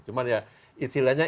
cuma ya istilahnya